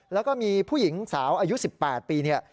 แล้วก็มีผู้หญิงสาวอายุ๑๘ปีเนี่ย